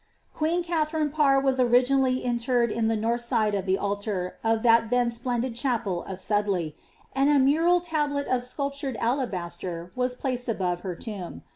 Queen Katharine Parr was originally interred on the north side of the liar of the then splendid chapel of Sudley, and a mural tablet of sculp ured alabaster was placed above her tomb.